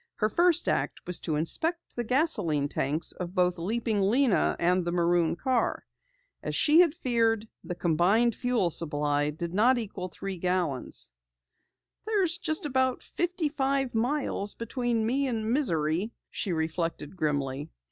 Her first act was to inspect the gasoline tanks of both Leaping Lena and the maroon car. As she had feared, the combined fuel supply did not equal three gallons. "There's just about fifty five miles between me and misery," she reflected grimly.